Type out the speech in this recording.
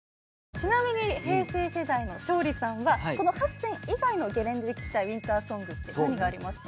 ちなみに平成世代の勝利さんはこの８選以外のゲレンデで聴きたいウインターソングって何がありますか？